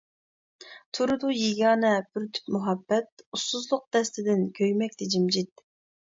تۇرىدۇ يېگانە بىر تۈپ مۇھەببەت، ئۇسسۇزلۇق دەستىدىن كۆيمەكتە جىمجىت.